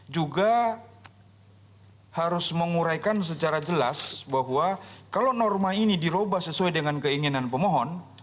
juga harus menguraikan secara jelas bahwa kalau norma ini dirubah sesuai dengan keinginan pemohon